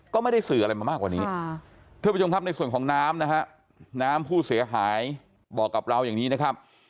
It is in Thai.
คุณผู้ชมครับในส่วนของน้ำนะฮะน้ำผู้เสียหายบอกกับเราอย่างนี้นะครับ